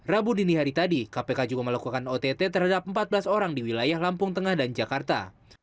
rabu dini hari tadi kpk juga melakukan ott terhadap empat belas orang di wilayah lampung tengah dan jakarta